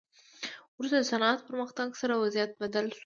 وروسته د صنعت پرمختګ سره وضعیت بدل شو.